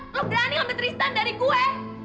lo berani ambil tristan dari gue